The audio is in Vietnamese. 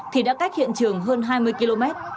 thì đã cách hiện trường hơn hai mươi km